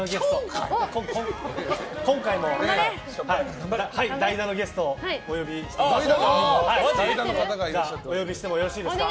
今回も代打のゲストをお呼びしております。